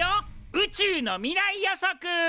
「宇宙の未来予測」！